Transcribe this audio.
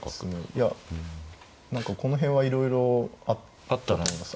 いや何かこの辺はいろいろあったと思います。